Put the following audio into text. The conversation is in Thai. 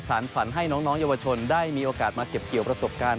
ฝันให้น้องเยาวชนได้มีโอกาสมาเก็บเกี่ยวประสบการณ์